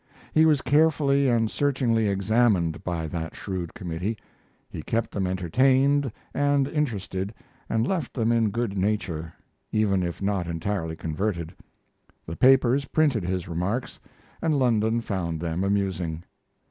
He was carefully and searchingly examined by that shrewd committee. He kept them entertained and interested and left them in good nature, even if not entirely converted. The papers printed his remarks, and London found them amusing.